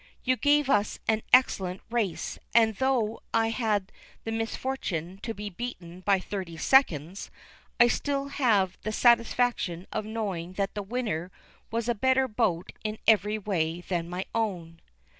You gave us an excellent race, and though I had the misfortune to be beaten by thirty seconds, still I have the satisfaction of knowing that the winner was a better boat in every way than my own."